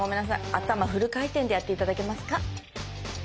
頭フル回転でやって頂けますか？